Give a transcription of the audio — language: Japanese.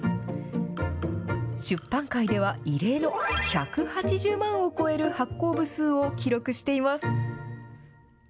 出版界では異例の１８０万を超える発行部数を記録しています。